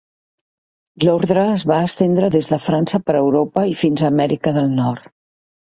L'Ordre es va estendre des de França per Europa i fins a Amèrica del Nord.